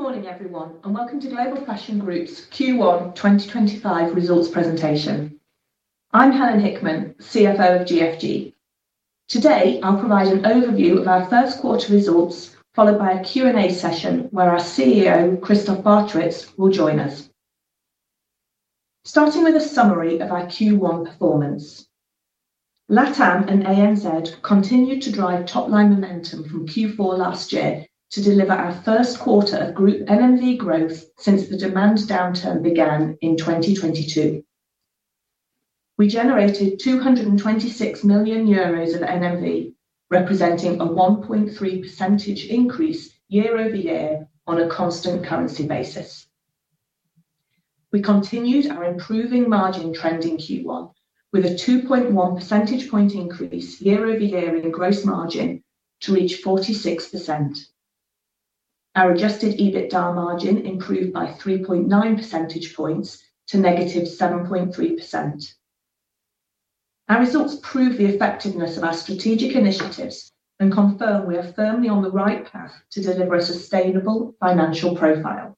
Good morning, everyone, and welcome to Global Fashion Group's Q1 2025 Results Presentation. I'm Helen Hickman, CFO of GFG. Today, I'll provide an overview of our first quarter results, followed by a Q&A session where our CEO, Christoph Barchewitz, will join us. Starting with a summary of our Q1 performance, LATAM and ANZ continued to drive top-line momentum from Q4 last year to deliver our first quarter of Group NMV growth since the demand downturn began in 2022. We generated 226 million euros of NMV, representing a 1.3% increase year over year on a constant currency basis. We continued our improving margin trend in Q1 with a 2.1 percentage point increase year over year in gross margin to reach 46%. Our adjusted EBITDA margin improved by 3.9 percentage points to -7.3%. Our results prove the effectiveness of our strategic initiatives and confirm we are firmly on the right path to deliver a sustainable financial profile.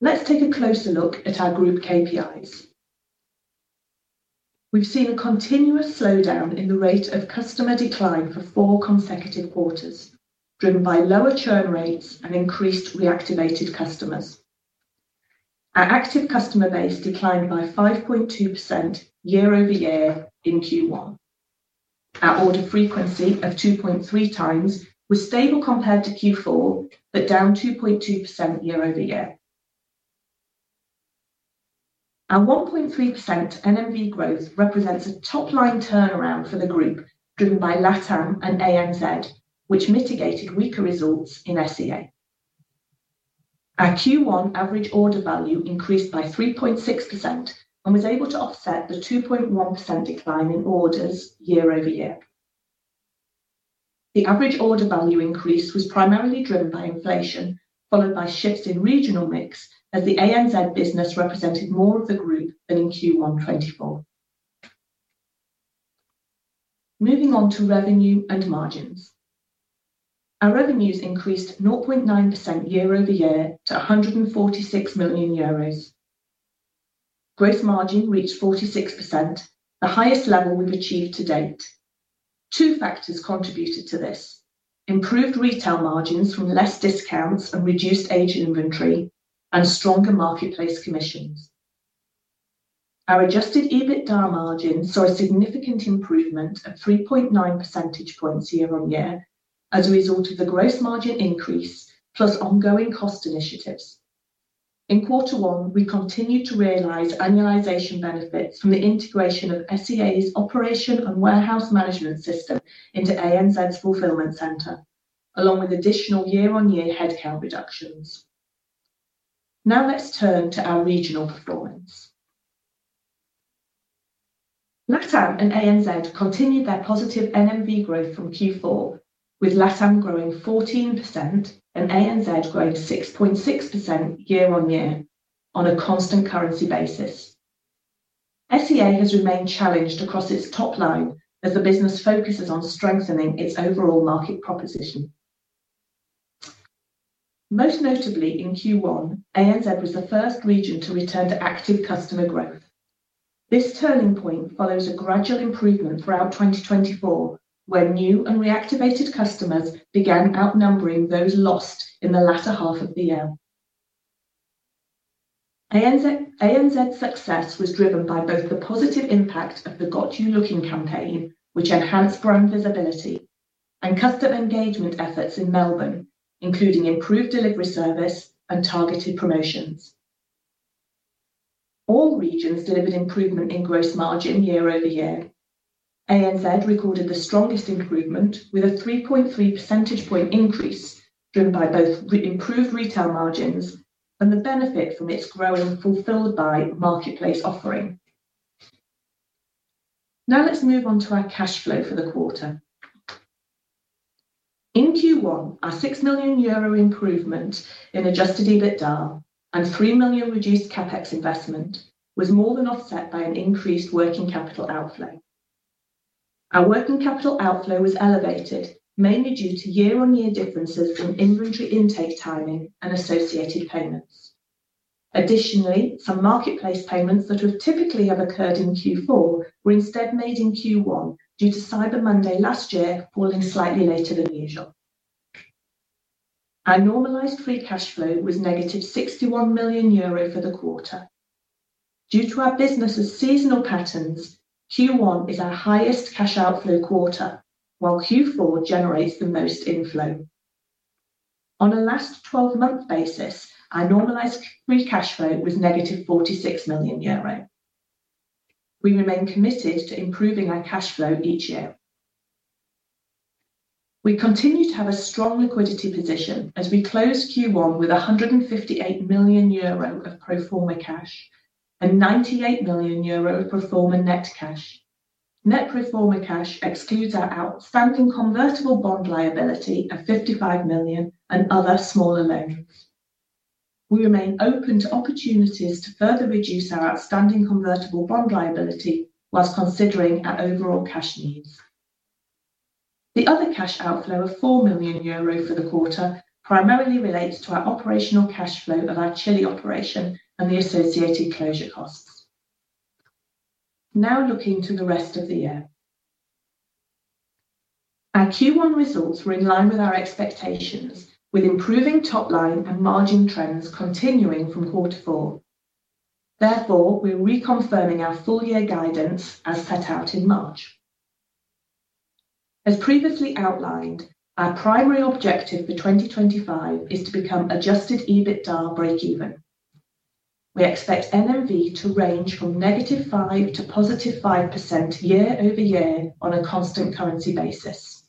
Let's take a closer look at our Group KPIs. We've seen a continuous slowdown in the rate of customer decline for four consecutive quarters, driven by lower churn rates and increased reactivated customers. Our active customer base declined by 5.2% year over year in Q1. Our order frequency of 2.3x was stable compared to Q4, but down 2.2% year-over-year. Our 1.3% NMV growth represents a top-line turnaround for the Group, driven by LATAM and ANZ, which mitigated weaker results in SEA. Our Q1 average order value increased by 3.6% and was able to offset the 2.1% decline in orders year-over-year. The average order value increase was primarily driven by inflation, followed by shifts in regional mix, as the ANZ business represented more of the Group than in Q1 2024. Moving on to revenue and margins. Our revenues increased 0.9% year over year to 146 million euros. Gross margin reached 46%, the highest level we've achieved to date. Two factors contributed to this: improved retail margins from less discounts and reduced aged inventory, and stronger marketplace commissions. Our adjusted EBITDA margin saw a significant improvement of 3.9 percentage points year-on-year as a result of the gross margin increase plus ongoing cost initiatives. In Q1, we continued to realize annualization benefits from the integration of SEA's operation and warehouse management system into ANZ's fulfillment center, along with additional year-on-year headcount reductions. Now let's turn to our regional performance. LATAM and ANZ continued their positive NMV growth from Q4, with LATAM growing 14% and ANZ growing 6.6% year-on-year on a constant currency basis. SEA has remained challenged across its top line as the business focuses on strengthening its overall market proposition. Most notably, in Q1, ANZ was the first region to return to active customer growth. This turning point follows a gradual improvement throughout 2024, where new and reactivated customers began outnumbering those lost in the latter half of the year. ANZ's success was driven by both the positive impact of the Got You Looking campaign, which enhanced brand visibility, and customer engagement efforts in Melbourne, including improved delivery service and targeted promotions. All regions delivered improvement in gross margin year-over-year. ANZ recorded the strongest improvement, with a 3.3 percentage point increase driven by both improved retail margins and the benefit from its growing fulfilled-by-marketplace offering. Now let's move on to our cash flow for the quarter. In Q1, our 6 million euro improvement in adjusted EBITDA and 3 million reduced CapEx investment was more than offset by an increased working capital outflow. Our working capital outflow was elevated, mainly due to year-on-year differences from inventory intake timing and associated payments. Additionally, some marketplace payments that would typically have occurred in Q4 were instead made in Q1 due to Cyber Monday last year falling slightly later than usual. Our normalized free cash flow was -61 million euro for the quarter. Due to our business's seasonal patterns, Q1 is our highest cash outflow quarter, while Q4 generates the most inflow. On a last 12-month basis, our normalized free cash flow was -46 million euro. We remain committed to improving our cash flow each year. We continue to have a strong liquidity position as we close Q1 with 158 million euro of pro forma cash and 98 million euro of pro forma net cash. Net pro forma cash excludes our outstanding convertible bond liability of 55 million and other smaller loans. We remain open to opportunities to further reduce our outstanding convertible bond liability whilst considering our overall cash needs. The other cash outflow of 4 million euro for the quarter primarily relates to our operational cash flow of our Chile operation and the associated closure costs. Now looking to the rest of the year, our Q1 results were in line with our expectations, with improving top line and margin trends continuing from Q4. Therefore, we're reconfirming our full-year guidance as set out in March. As previously outlined, our primary objective for 2025 is to become adjusted EBITDA break-even. We expect NMV to range from -5% to +5% year over year on a constant currency basis.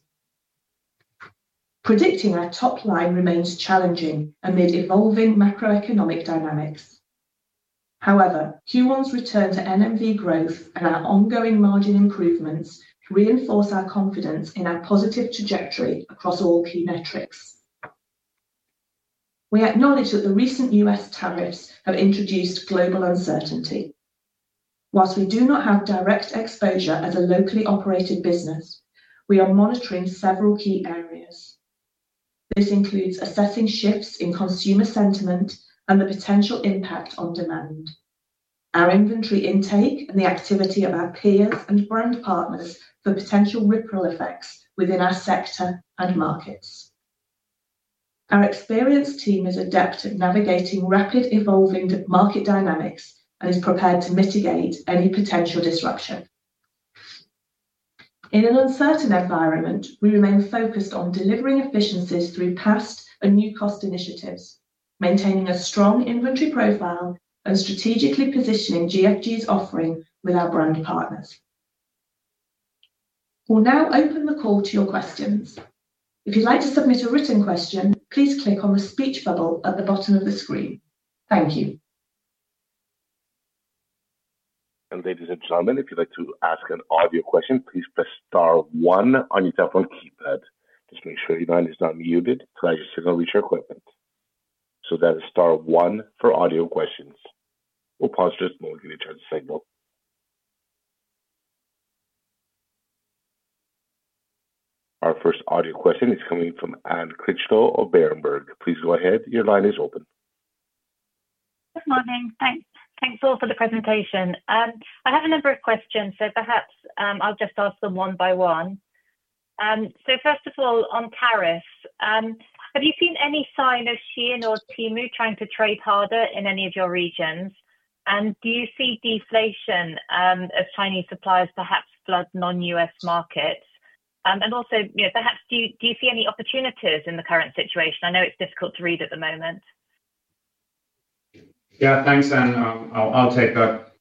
Predicting our top line remains challenging amid evolving macroeconomic dynamics. However, Q1's return to NMV growth and our ongoing margin improvements reinforce our confidence in our positive trajectory across all key metrics. We acknowledge that the recent U.S. tariffs have introduced global uncertainty. Whilst we do not have direct exposure as a locally operated business, we are monitoring several key areas. This includes assessing shifts in consumer sentiment and the potential impact on demand, our inventory intake, and the activity of our peers and brand partners for potential ripple effects within our sector and markets. Our experienced team is adept at navigating rapid evolving market dynamics and is prepared to mitigate any potential disruption. In an uncertain environment, we remain focused on delivering efficiencies through past and new cost initiatives, maintaining a strong inventory profile, and strategically positioning GFG's offering with our brand partners. We'll now open the call to your questions. If you'd like to submit a written question, please click on the speech bubble at the bottom of the screen. Thank you. Ladies and gentlemen, if you'd like to ask an audio question, please press star one on your telephone keypad. Just make sure your line is not muted. Glad you're still going to reach your equipment. That is star one for audio questions. We'll pause just a moment to get a chance to sign up. Our first audio question is coming from Anne Critchlow of Berenberg. Please go ahead. Your line is open. Good morning. Thanks all for the presentation. I have a number of questions, so perhaps I'll just ask them one by one. First of all, on tariffs, have you seen any sign of Shein or Temu trying to trade harder in any of your regions? Do you see deflation as Chinese suppliers perhaps flood non-U.S. markets? Also, perhaps do you see any opportunities in the current situation? I know it's difficult to read at the moment. Yeah, thanks, Anne. I'll take that.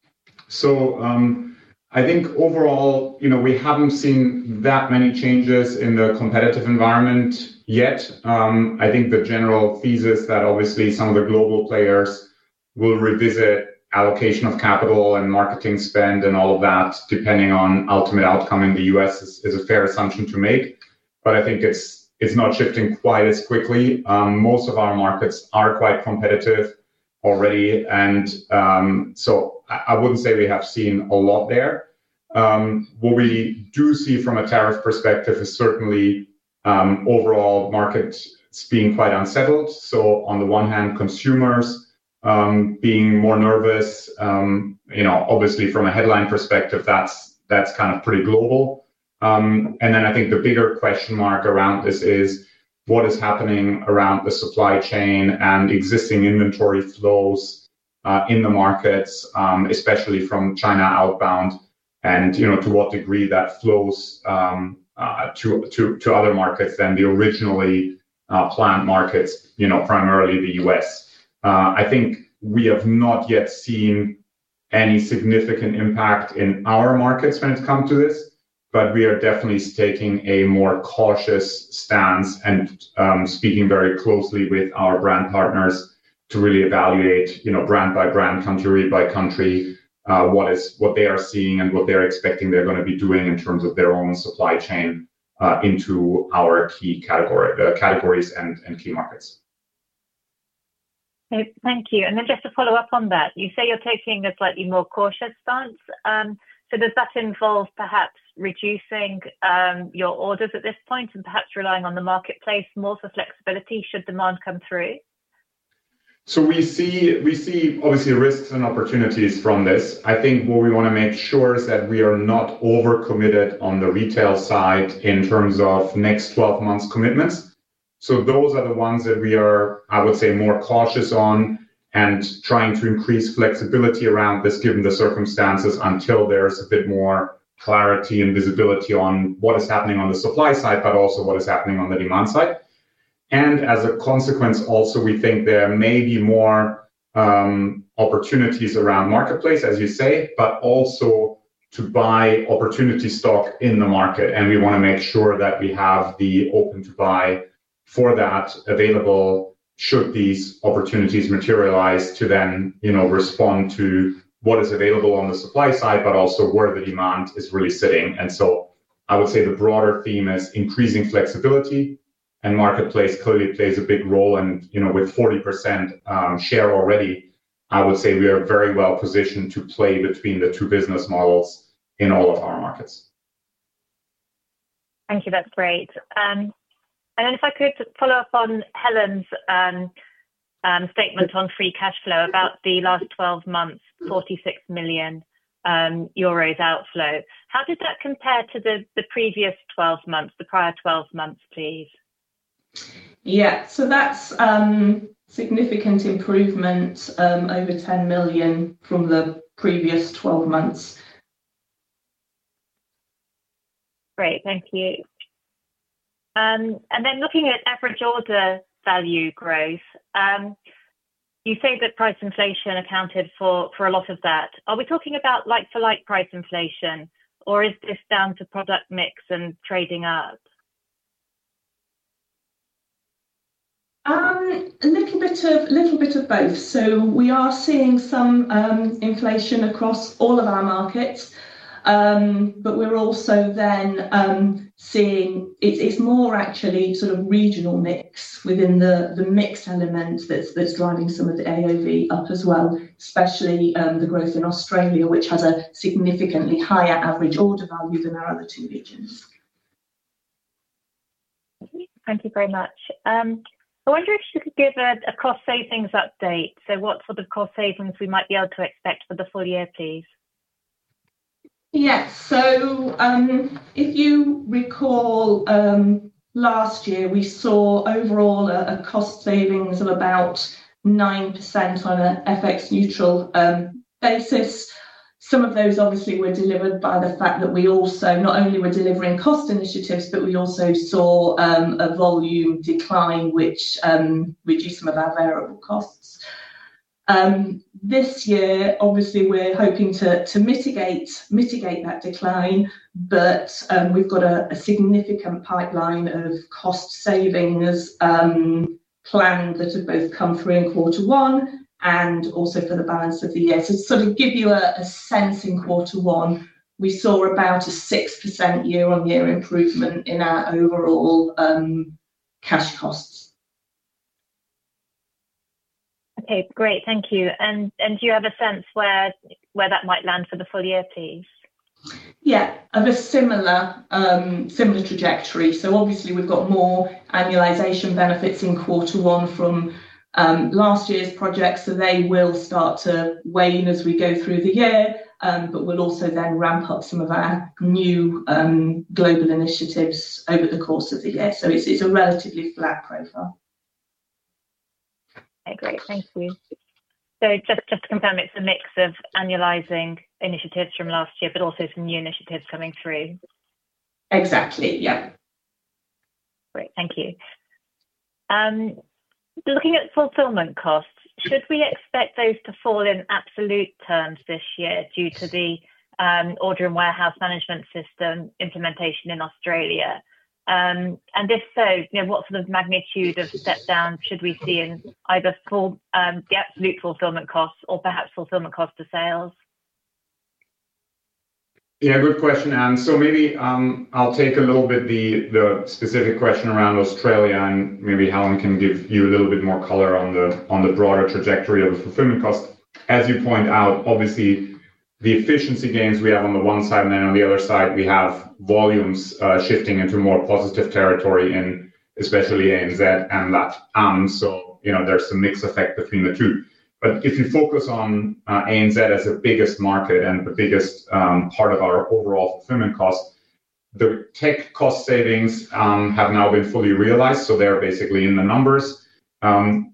I think overall, we haven't seen that many changes in the competitive environment yet. I think the general thesis that obviously some of the global players will revisit allocation of capital and marketing spend and all of that, depending on ultimate outcome in the U.S., is a fair assumption to make. I think it's not shifting quite as quickly. Most of our markets are quite competitive already. I wouldn't say we have seen a lot there. What we do see from a tariff perspective is certainly overall markets being quite unsettled. On the one hand, consumers being more nervous. Obviously, from a headline perspective, that's kind of pretty global. I think the bigger question mark around this is what is happening around the supply chain and existing inventory flows in the markets, especially from China outbound, and to what degree that flows to other markets than the originally planned markets, primarily the U.S. I think we have not yet seen any significant impact in our markets when it's come to this, but we are definitely taking a more cautious stance and speaking very closely with our brand partners to really evaluate brand by brand, country by country, what they are seeing and what they're expecting they're going to be doing in terms of their own supply chain into our key categories and key markets. Thank you. Just to follow up on that, you say you're taking a slightly more cautious stance. Does that involve perhaps reducing your orders at this point and perhaps relying on the marketplace more for flexibility should demand come through? We see obviously risks and opportunities from this. I think what we want to make sure is that we are not overcommitted on the retail side in terms of next 12 months' commitments. Those are the ones that we are, I would say, more cautious on and trying to increase flexibility around this given the circumstances until there is a bit more clarity and visibility on what is happening on the supply side, but also what is happening on the demand side. As a consequence, also, we think there may be more opportunities around marketplace, as you say, but also to buy opportunity stock in the market. We want to make sure that we have the open-to-buy for that available should these opportunities materialize to then respond to what is available on the supply side, but also where the demand is really sitting. I would say the broader theme is increasing flexibility. Marketplace clearly plays a big role. With 40% share already, I would say we are very well positioned to play between the two business models in all of our markets. Thank you. That's great. If I could follow up on Helen's statement on free cash flow about the last 12 months, 46 million euros outflow. How does that compare to the previous 12 months, the prior 12 months, please? Yeah. That is a significant improvement over 10 million from the previous 12 months. Great. Thank you. Looking at average order value growth, you say that price inflation accounted for a lot of that. Are we talking about like-for-like price inflation, or is this down to product mix and trading up? A little bit of both. We are seeing some inflation across all of our markets, but we're also then seeing it's more actually sort of regional mix within the mixed elements that's driving some of the AOV up as well, especially the growth in Australia, which has a significantly higher average order value than our other two regions. Thank you very much. I wonder if you could give a cost savings update. What sort of cost savings we might be able to expect for the full year, please? Yes. If you recall, last year, we saw overall a cost savings of about 9% on an FX-neutral basis. Some of those obviously were delivered by the fact that we also not only were delivering cost initiatives, but we also saw a volume decline, which reduced some of our variable costs. This year, obviously, we're hoping to mitigate that decline, but we've got a significant pipeline of cost savings planned that have both come through in Q1 and also for the balance of the year. To sort of give you a sense, in Q1, we saw about a 6% year-on-year improvement in our overall cash costs. Okay. Great. Thank you. Do you have a sense where that might land for the full year, please? Yeah, of a similar trajectory. Obviously, we've got more annualization benefits in Q1 from last year's projects. They will start to wane as we go through the year, but we'll also then ramp up some of our new global initiatives over the course of the year. It's a relatively flat profile. Great. Thank you. Just to confirm, it's a mix of annualizing initiatives from last year, but also some new initiatives coming through. Exactly. Yeah. Great. Thank you. Looking at fulfillment costs, should we expect those to fall in absolute terms this year due to the order and warehouse management system implementation in Australia? If so, what sort of magnitude of step-down should we see in either the absolute fulfillment costs or perhaps fulfillment costs to sales? Yeah, good question, Anne. Maybe I'll take a little bit the specific question around Australia, and maybe Helen can give you a little bit more color on the broader trajectory of the fulfillment costs. As you point out, obviously, the efficiency gains we have on the one side, and then on the other side, we have volumes shifting into more positive territory in especially ANZ and LATAM. There is some mixed effect between the two. If you focus on ANZ as the biggest market and the biggest part of our overall fulfillment costs, the tech cost savings have now been fully realized. They are basically in the numbers.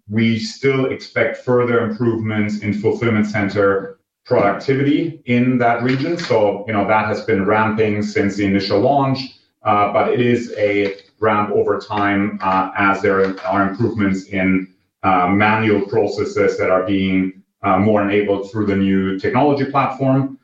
We still expect further improvements in fulfillment center productivity in that region. That has been ramping since the initial launch, but it is a ramp over time as there are improvements in manual processes that are being more enabled through the new technology platform.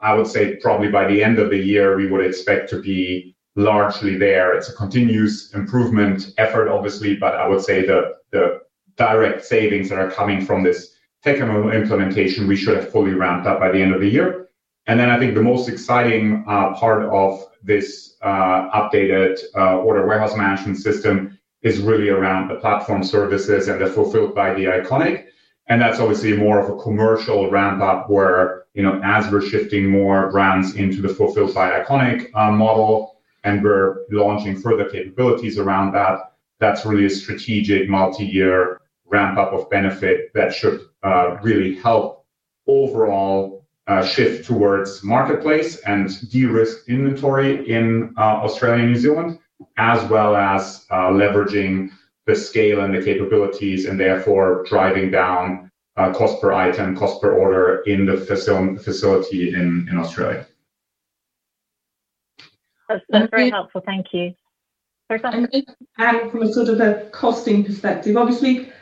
I would say probably by the end of the year, we would expect to be largely there. It's a continuous improvement effort, obviously, but I would say the direct savings that are coming from this tech implementation, we should have fully ramped up by the end of the year. I think the most exciting part of this updated order warehouse management system is really around the platform services and the fulfilled by The Iconic. That is obviously more of a commercial ramp-up, where as we are shifting more brands into the fulfilled by Iconic model and we are launching further capabilities around that, that is really a strategic multi-year ramp-up of benefit that should really help overall shift towards marketplace and de-risk inventory in Australia and New Zealand, as well as leveraging the scale and the capabilities and therefore driving down cost per item, cost per order in the facility in Australia. That's very helpful. Thank you. Sorry, go ahead. From a sort of a costing perspective, obviously,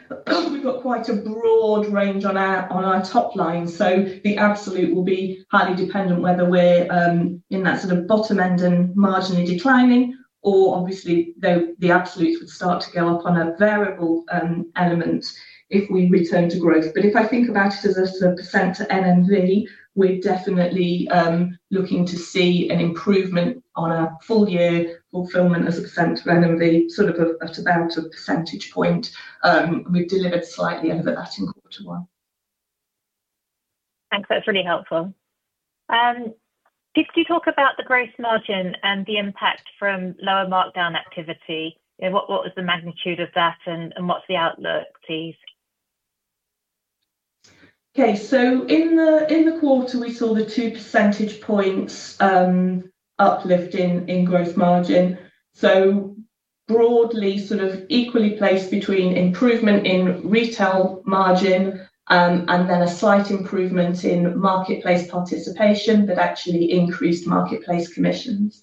we've got quite a broad range on our top line. The absolute will be highly dependent whether we're in that sort of bottom end and marginally declining, or obviously, the absolute would start to go up on a variable element if we return to growth. If I think about it as a percent to NMV, we're definitely looking to see an improvement on a full year fulfillment as a percent to NMV, sort of at about a percentage point. We've delivered slightly over that in Q1. Thanks. That's really helpful. Could you talk about the gross margin and the impact from lower markdown activity? What was the magnitude of that and what's the outlook, please? Okay. In the quarter, we saw the two percentage points uplift in gross margin. Broadly, sort of equally placed between improvement in retail margin and then a slight improvement in marketplace participation that actually increased marketplace commissions.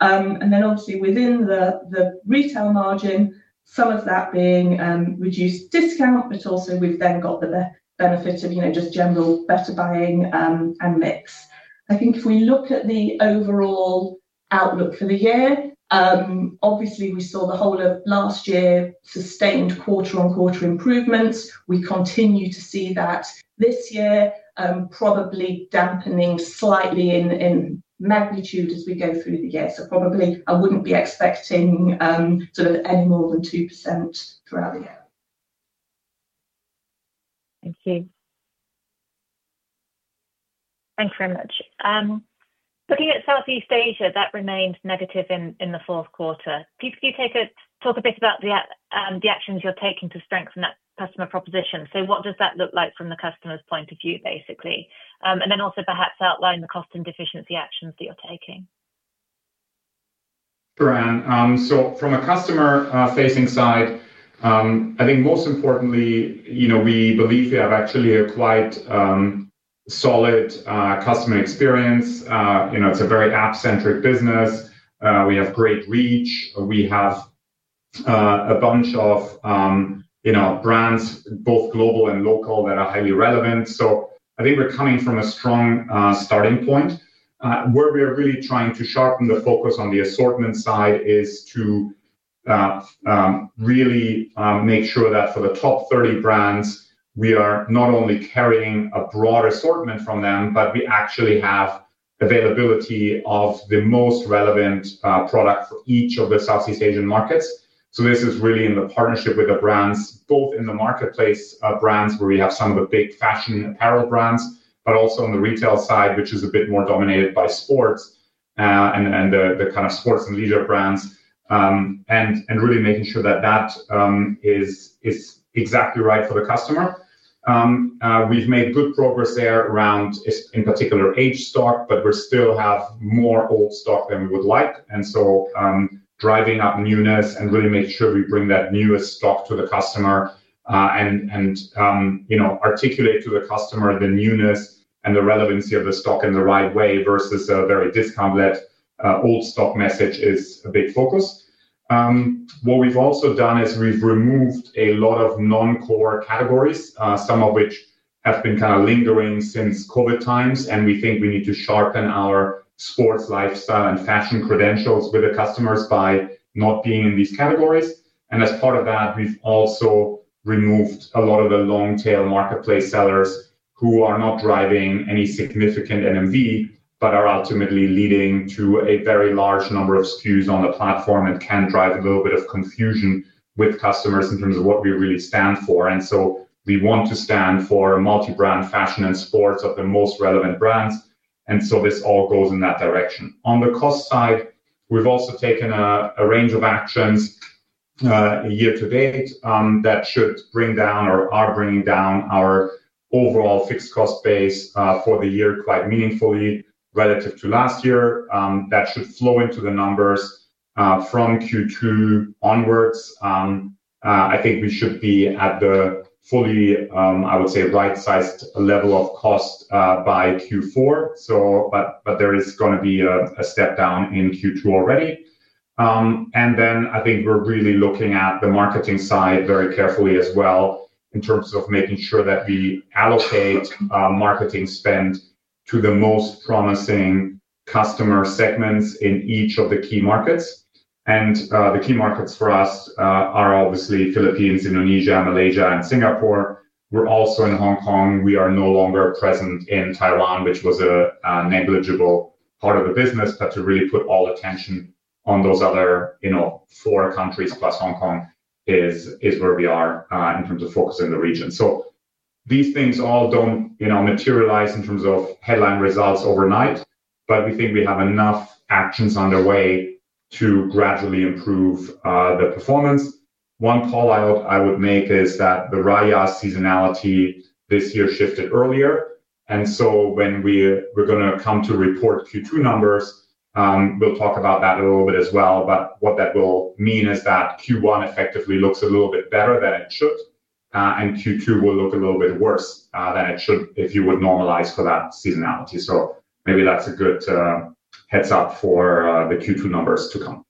Obviously, within the retail margin, some of that being reduced discount, but also we have then got the benefit of just general better buying and mix. I think if we look at the overall outlook for the year, obviously, we saw the whole of last year sustained quarter-on-quarter improvements. We continue to see that this year, probably dampening slightly in magnitude as we go through the year. I would not be expecting any more than 2% throughout the year. Thank you. Thanks very much. Looking at Southeast Asia, that remained negative in the fourth quarter. Could you talk a bit about the actions you're taking to strengthen that customer proposition? What does that look like from the customer's point of view, basically? Also, perhaps outline the cost and efficiency actions that you're taking. Sure. From a customer-facing side, I think most importantly, we believe we have actually a quite solid customer experience. It's a very app-centric business. We have great reach. We have a bunch of brands, both global and local, that are highly relevant. I think we're coming from a strong starting point. Where we are really trying to sharpen the focus on the assortment side is to really make sure that for the top 30 brands, we are not only carrying a broader assortment from them, but we actually have availability of the most relevant product for each of the Southeast Asian markets. This is really in the partnership with the brands, both in the marketplace brands where we have some of the big fashion apparel brands, but also on the retail side, which is a bit more dominated by sports and the kind of sports and leisure brands, and really making sure that that is exactly right for the customer. We've made good progress there around, in particular, age stock, but we still have more old stock than we would like. Driving up newness and really making sure we bring that newest stock to the customer and articulate to the customer the newness and the relevancy of the stock in the right way versus a very discount-led old stock message is a big focus. What we've also done is we've removed a lot of non-core categories, some of which have been kind of lingering since COVID times, and we think we need to sharpen our sports lifestyle and fashion credentials with the customers by not being in these categories. As part of that, we've also removed a lot of the long-tail marketplace sellers who are not driving any significant NMV, but are ultimately leading to a very large number of SKUs on the platform and can drive a little bit of confusion with customers in terms of what we really stand for. We want to stand for multi-brand fashion and sports of the most relevant brands. This all goes in that direction. On the cost side, we've also taken a range of actions year to date that should bring down or are bringing down our overall fixed cost base for the year quite meaningfully relative to last year. That should flow into the numbers from Q2 onwards. I think we should be at the fully, I would say, right-sized level of cost by Q4, but there is going to be a step-down in Q2 already. I think we're really looking at the marketing side very carefully as well in terms of making sure that we allocate marketing spend to the most promising customer segments in each of the key markets. The key markets for us are obviously Philippines, Indonesia, Malaysia, and Singapore. We're also in Hong Kong. We are no longer present in Taiwan, which was a negligible part of the business, but to really put all attention on those other four countries plus Hong Kong is where we are in terms of focus in the region. These things all do not materialize in terms of headline results overnight, but we think we have enough actions underway to gradually improve the performance. One callout I would make is that the Raya seasonality this year shifted earlier. When we are going to come to report Q2 numbers, we will talk about that a little bit as well. What that will mean is that Q1 effectively looks a little bit better than it should, and Q2 will look a little bit worse than it should if you would normalize for that seasonality. Maybe that is a good heads-up for the Q2 numbers to come.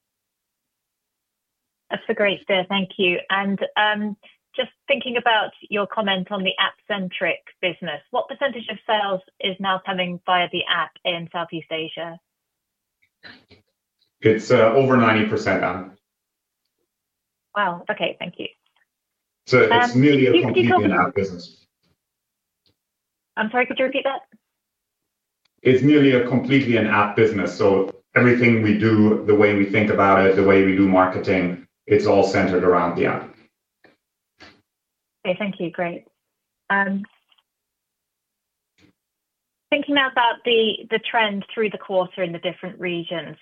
That's a great start. Thank you. Just thinking about your comment on the app-centric business, what percentage of sales is now coming via the app in Southeast Asia? It's over 90%, Anne. Wow. Okay. Thank you. It's nearly a completely an app business. I'm sorry, could you repeat that? It's nearly a completely an app business. Everything we do, the way we think about it, the way we do marketing, it's all centered around the app. Okay. Thank you. Great. Thinking about the trend through the quarter in the different regions,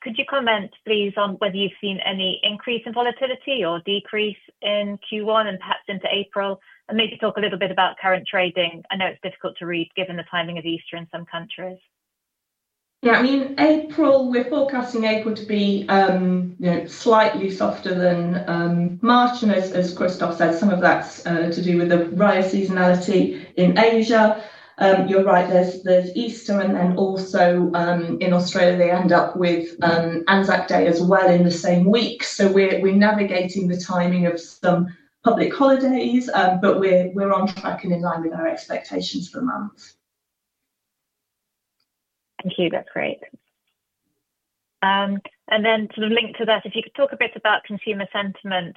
could you comment, please, on whether you've seen any increase in volatility or decrease in Q1 and perhaps into April? Maybe talk a little bit about current trading. I know it's difficult to read given the timing of Easter in some countries. Yeah. I mean, April, we're forecasting April to be slightly softer than March. As Christoph said, some of that's to do with the Raya seasonality in Asia. You're right. There's Easter, and then also in Australia, they end up with Anzac Day as well in the same week. We are navigating the timing of some public holidays, but we're on track and in line with our expectations for months. Thank you. That's great. If you could talk a bit about consumer sentiment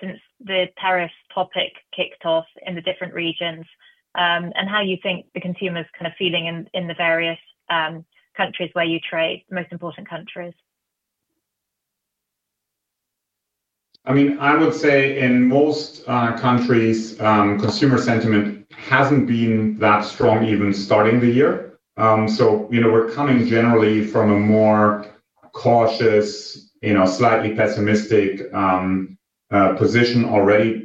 since the tariff topic kicked off in the different regions and how you think the consumer's kind of feeling in the various countries where you trade, the most important countries. I mean, I would say in most countries, consumer sentiment hasn't been that strong even starting the year. We're coming generally from a more cautious, slightly pessimistic position already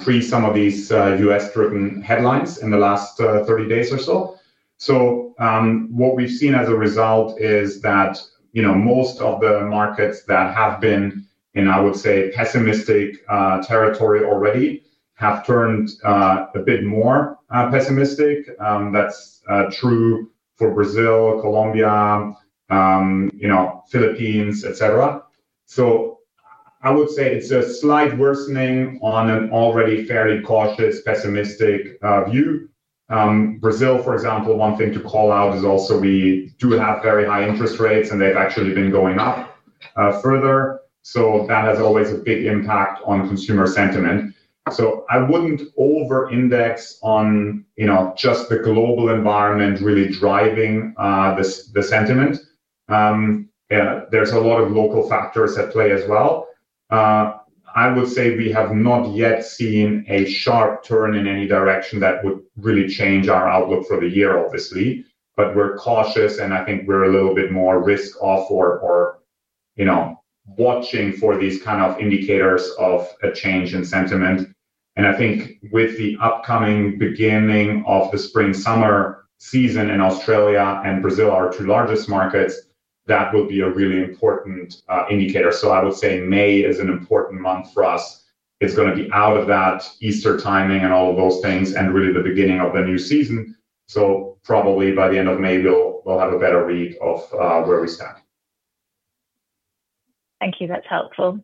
pre some of these U.S.-driven headlines in the last 30 days or so. What we've seen as a result is that most of the markets that have been in, I would say, pessimistic territory already have turned a bit more pessimistic. That's true for Brazil, Colombia, Philippines, etc. I would say it's a slight worsening on an already fairly cautious, pessimistic view. Brazil, for example, one thing to call out is also we do have very high interest rates, and they've actually been going up further. That has always a big impact on consumer sentiment. I wouldn't over-index on just the global environment really driving the sentiment. is a lot of local factors at play as well. I would say we have not yet seen a sharp turn in any direction that would really change our outlook for the year, obviously. We are cautious, and I think we are a little bit more risk-off or watching for these kind of indicators of a change in sentiment. I think with the upcoming beginning of the spring-summer season in Australia and Brazil, our two largest markets, that will be a really important indicator. I would say May is an important month for us. It is going to be out of that Easter timing and all of those things and really the beginning of the new season. Probably by the end of May, we will have a better read of where we stand. Thank you. That's helpful.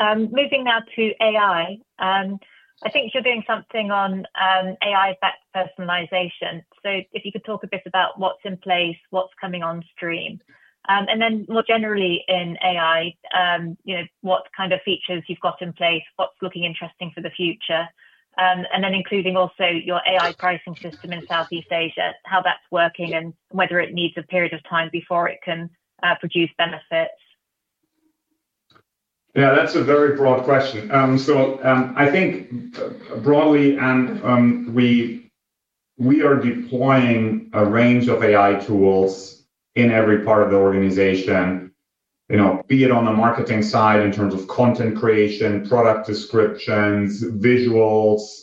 Moving now to AI. I think you're doing something on AI-backed personalization. If you could talk a bit about what's in place, what's coming on stream, and then more generally in AI, what kind of features you've got in place, what's looking interesting for the future, and then including also your AI pricing system in Southeast Asia, how that's working and whether it needs a period of time before it can produce benefits. Yeah, that's a very broad question. I think broadly, we are deploying a range of AI tools in every part of the organization, be it on the marketing side in terms of content creation, product descriptions, visuals,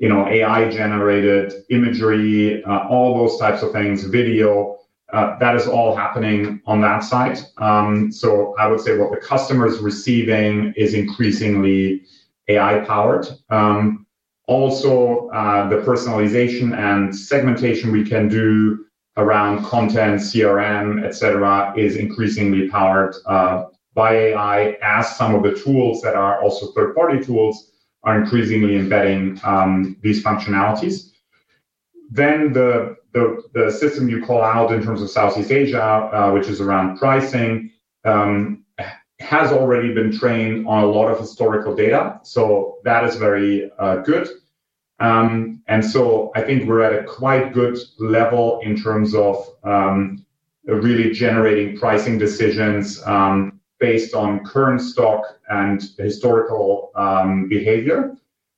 AI-generated imagery, all those types of things, video. That is all happening on that side. I would say what the customer is receiving is increasingly AI-powered. Also, the personalization and segmentation we can do around content, CRM, etc., is increasingly powered by AI, as some of the tools that are also third-party tools are increasingly embedding these functionalities. The system you call out in terms of Southeast Asia, which is around pricing, has already been trained on a lot of historical data. That is very good. I think we're at a quite good level in terms of really generating pricing decisions based on current stock and historical behavior.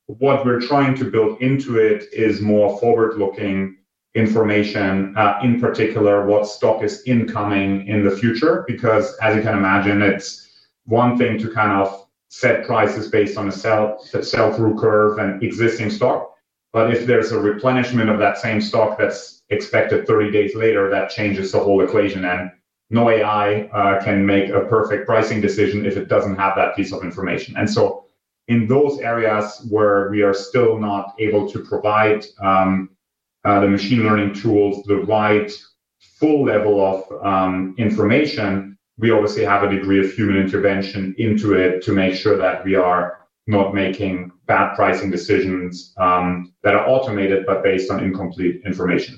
What we're trying to build into it is more forward-looking information, in particular what stock is incoming in the future, because as you can imagine, it's one thing to kind of set prices based on a sell-through curve and existing stock, but if there's a replenishment of that same stock that's expected 30 days later, that changes the whole equation. No AI can make a perfect pricing decision if it doesn't have that piece of information. In those areas where we are still not able to provide the machine learning tools the right full level of information, we obviously have a degree of human intervention into it to make sure that we are not making bad pricing decisions that are automated but based on incomplete information.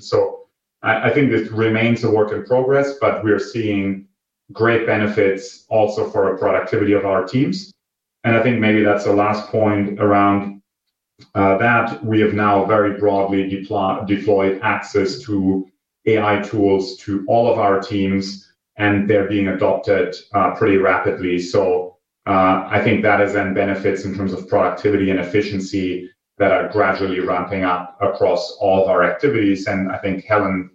I think this remains a work in progress, but we are seeing great benefits also for the productivity of our teams. I think maybe that is the last point around that. We have now very broadly deployed access to AI tools to all of our teams, and they are being adopted pretty rapidly. I think that has then benefits in terms of productivity and efficiency that are gradually ramping up across all of our activities. I think Helen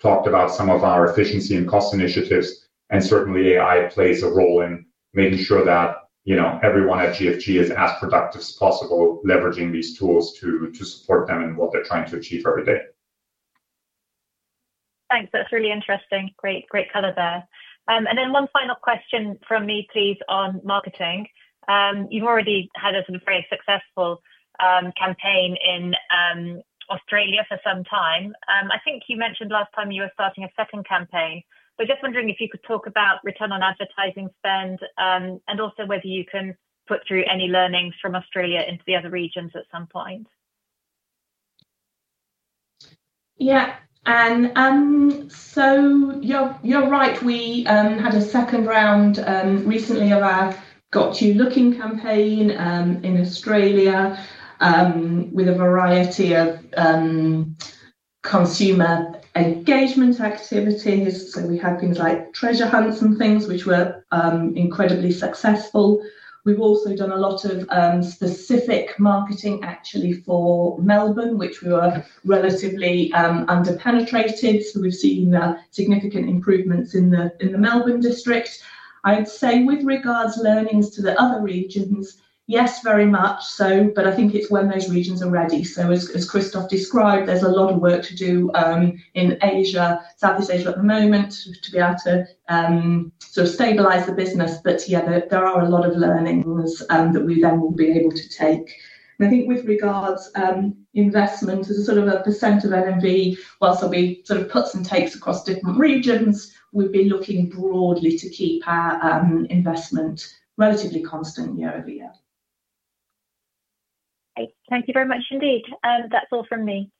talked about some of our efficiency and cost initiatives, and certainly AI plays a role in making sure that everyone at GFG is as productive as possible, leveraging these tools to support them in what they're trying to achieve every day. Thanks. That's really interesting. Great color there. One final question from me, please, on marketing. You've already had a sort of very successful campaign in Australia for some time. I think you mentioned last time you were starting a second campaign. Just wondering if you could talk about return on advertising spend and also whether you can put through any learnings from Australia into the other regions at some point. Yeah. You're right. We had a second round recently of our Got You Looking campaign in Australia with a variety of consumer engagement activities. We had things like treasure hunts and things, which were incredibly successful. We've also done a lot of specific marketing, actually, for Melbourne, which we were relatively under-penetrated. We've seen significant improvements in the Melbourne district. I'd say with regards to learnings to the other regions, yes, very much so, but I think it's when those regions are ready. As Christoph described, there's a lot of work to do in Asia, Southeast Asia at the moment, to be able to sort of stabilize the business. Yeah, there are a lot of learnings that we then will be able to take. I think with regards to investment, there's a sort of a percent of NMV, whilst there'll be sort of puts and takes across different regions, we've been looking broadly to keep our investment relatively constant year-over-year. Thank you very much indeed. That's all from me.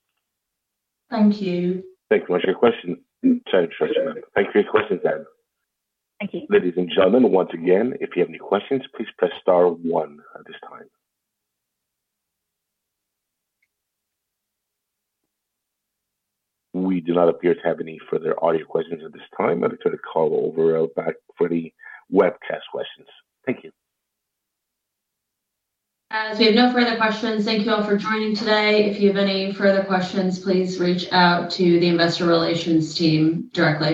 Thank you. Thank you very much for your question. Thank you for your questions, Anne. Thank you. Ladies and gentlemen, once again, if you have any questions, please press star one at this time. We do not appear to have any further audio questions at this time. I'm going to turn the call over back for the webcast questions. Thank you. As we have no further questions, thank you all for joining today. If you have any further questions, please reach out to the investor relations team directly.